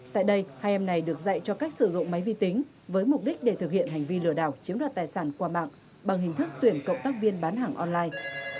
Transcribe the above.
tại đây hai em này được dạy cho cách sử dụng máy vi tính với mục đích để thực hiện hành vi lừa đảo chiếm đoạt tài sản qua mạng bằng hình thức tuyển cộng tác viên bán hàng online